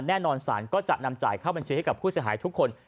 แน่นอนศาลก็จะนำจ่ายเข้าบัญชีให้กับผู้เสียหายทุกคน